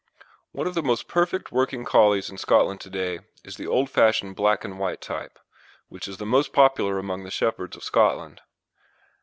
One of the most perfect working Collies in Scotland to day is the old fashioned black and white type, which is the most popular among the shepherds of Scotland.